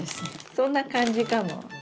そんな感じかも。